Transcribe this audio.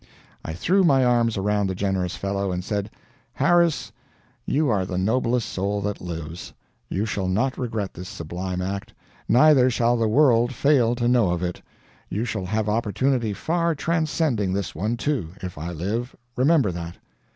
I threw my arms around the generous fellow and said: "Harris, you are the noblest soul that lives. You shall not regret this sublime act, neither shall the world fail to know of it. You shall have opportunity far transcending this one, too, if I live remember that."